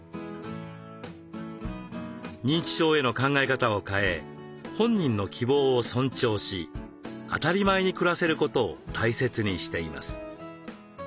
認知症への考え方を変え本人の希望を尊重し当たり前に暮らせることを大切にしています。